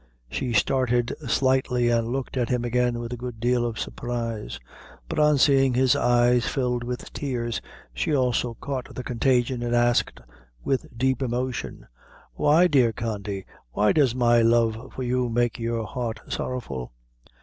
She started slightly, and looked at him again with a good deal of surprise; but on seeing his eyes filled with tears, she also caught the contagion, and asked with deep emotion: "Why, dear Condy? Why does my love for you make your heart sorrowful?"